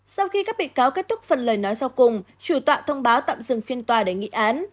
sau khi các bị cáo kết thúc phần lời nói sau cùng chủ tọa thông báo tạm dừng phiên tòa để nghị án